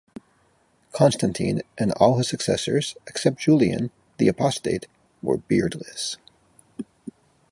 Constantine and all his successors, except Julian the Apostate, were beardless.